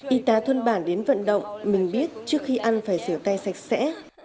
y tá thôn bản đến vận động mình biết trước khi ăn phải rửa tay sạch sẽ